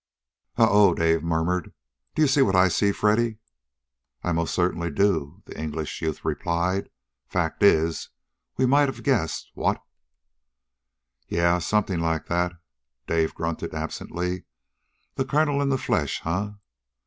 "Oh oh!" Dave murmured. "Do you see what I see, Freddy?" "I most certainly do," the English youth replied. "Fact is, we might have guessed, what?" "Yeah, something like that," Dawson grunted absently. "The colonel in the flesh, huh?